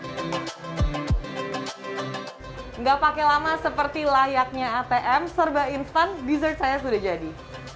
tidak pakai lama seperti layaknya atm serba instan dessert saya sudah jadi